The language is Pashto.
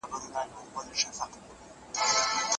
د تبوريزم وده به زموږ اقتصاد ته ډېره ګټه ورسوي.